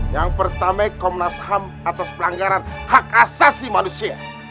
yang pertama komnas ham atas pelanggaran hak asasi manusia